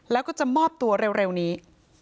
แล้วก็จะมอบตัวเร็วนี้